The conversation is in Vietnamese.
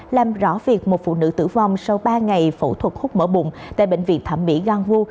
làm rõ việc một phụ nữ tử vong sau ba ngày phẫu thuật khúc mở bụng tại bệnh viện thẩm mỹ ganwo